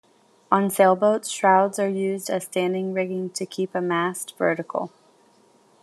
On sailboats, shrouds are used as standing rigging to keep a mast vertical.